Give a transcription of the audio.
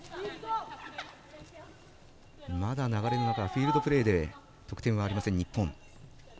まだ流れの中フィールドプレーで得点はありません、日本。